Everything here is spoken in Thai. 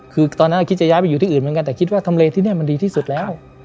คือตอนนั้นคิดจะย้ายไปอยู่ที่อื่นเหมือนกันแต่คิดว่าทำเลที่นี่มันดีที่สุดแล้ว